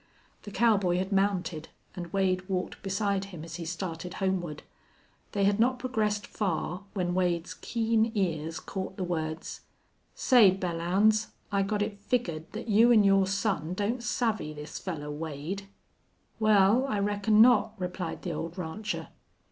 The cowboy had mounted, and Wade walked beside him as he started homeward. They had not progressed far when Wade's keen ears caught the words, "Say, Belllounds, I got it figgered thet you an' your son don't savvy this fellar Wade." "Wal, I reckon not," replied the old rancher.